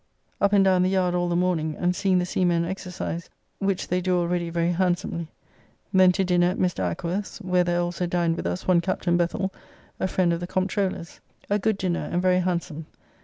Up and down the yard all the morning and seeing the seamen exercise, which they do already very handsomely. Then to dinner at Mr. Ackworth's, where there also dined with us one Captain Bethell, a friend of the Comptroller's. A good dinner and very handsome.